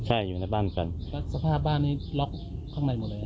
ใช่อยู่ในบ้านกันก็สภาพบ้านนี้ล็อกข้างในหมดเลย